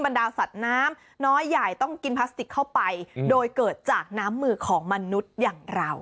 บรรดาสัตว์น้ำน้อยใหญ่ต้องกินพลาสติกเข้าไปโดยเกิดจากน้ำมือของมนุษย์อย่างเรา